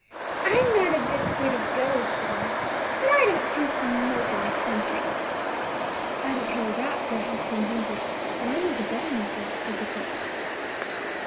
"I'm not a bit afraid of ghosts," said Ann; "but I don't choose to mope in the country." "I don't care a rap for a house being haunted; but I mean to better myself," said the cook.